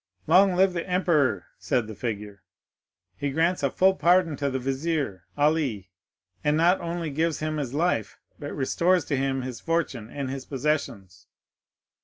'—'Long live the emperor!' said the figure. 'He grants a full pardon to the Vizier Ali, and not only gives him his life, but restores to him his fortune and his possessions.